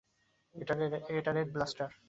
এটা red blaster.